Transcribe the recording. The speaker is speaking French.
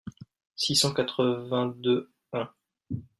six cent quatre-vingt-deux-un.